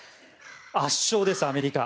圧勝です、アメリカ。